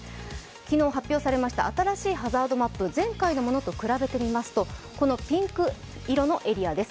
昨日発表されました新しいハザードマップ前回のものと比べてみますと、このピンク色のエリアです。